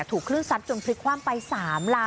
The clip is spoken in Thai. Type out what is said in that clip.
ถูกคลื่นซัดจนพลิกคว่ำไป๓ลำ